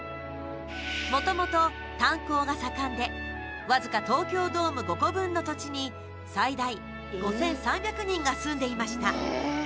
もともと、炭鉱が盛んで僅か東京ドーム５個分の土地に最大５３００人が住んでいました。